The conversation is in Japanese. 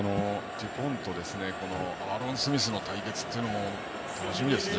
デュポンとアーロン・スミスの対決も楽しみですね。